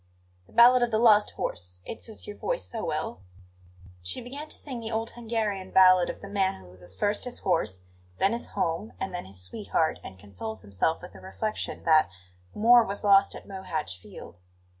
"The ballad of the lost horse; it suits your voice so well." She began to sing the old Hungarian ballad of the man who loses first his horse, then his home, and then his sweetheart, and consoles himself with the reflection that "more was lost at Mohacz field."